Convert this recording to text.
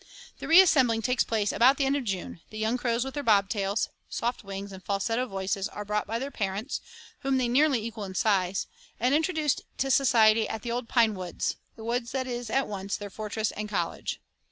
The reassembling takes place about the end of June the young crows with their bob tails, soft wings, and falsetto voices are brought by their parents, whom they nearly equal in size, and introduced to society at the old pine woods, a woods that is at once their fortress and college.